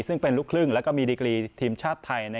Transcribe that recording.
ซึ่งเป็นลูกครึ่งแล้วก็มีดีกรีทีมชาติไทย